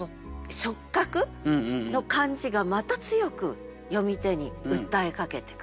触覚の感じがまた強く読み手に訴えかけてくる。